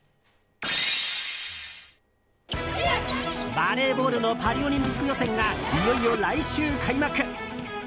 バレーボールのパリオリンピック予選がいよいよ来週開幕。